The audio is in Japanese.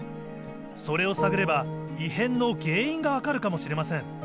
それを探れば異変の原因がわかるかもしれません。